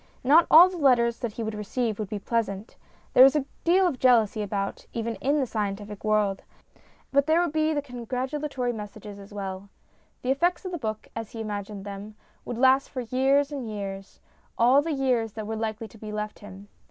Not all the letters that he would receive would be pleasant. There is a deal of jealousy about, even in the scientific world, but there would be the congratula tory messages as well. The effects of the book, as he imagined them, would last for years and years all the years that were likely to be left him.